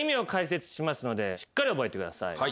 しっかり覚えてください。